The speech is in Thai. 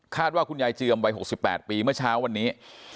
ว่าคุณยายเจือมวัย๖๘ปีเมื่อเช้าวันนี้